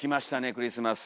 クリスマス。